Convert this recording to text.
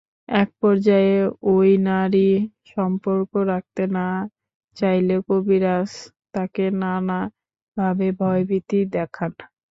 একপর্যায়ে ওই নারী সম্পর্ক রাখতে না চাইলে কবিরাজ তাঁকে নানাভাবে ভয়ভীতি দেখান।